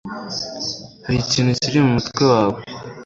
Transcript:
Hari ikintu kiri mu mutwe wawe